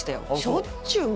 しょっちゅうもう。